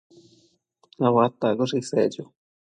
tabadtuaccoshe isec cho